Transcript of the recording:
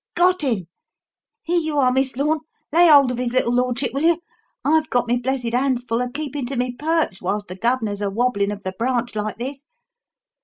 Got him! 'Ere you are, Miss Lorne lay hold of his little lordship, will you? I've got me blessed hands full a keepin' to me perch whilst the guv'nor's a wobbling of the branch like this.